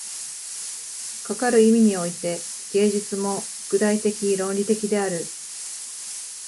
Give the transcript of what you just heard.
かかる意味において、芸術も具体的論理的である。